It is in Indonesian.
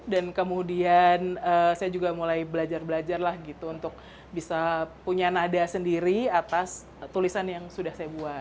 dan kemudian saya juga mulai belajar belajar lah gitu untuk bisa punya nada sendiri atas tulisan yang sudah saya buat